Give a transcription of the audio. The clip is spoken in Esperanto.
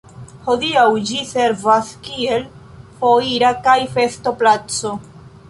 Hodiaŭ ĝi servas kiel foira kaj festo-placo.